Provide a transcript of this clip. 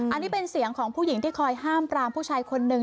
อันนี้เป็นเสียงของผู้หญิงที่คอยห้ามปรามผู้ชายคนนึง